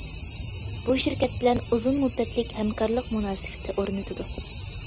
بۇ شىركەت بىلەن ئۇزۇن مۇددەتلىك ھەمكارلىق مۇناسىۋىتى ئورنىتىدۇ.